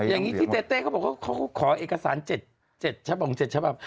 อย่างงี้ที่เต้เต้เขาบอกว่าเขาก็ขอเอกสารเจ็ดเจ็ดชะบังเจ็ดชะบับ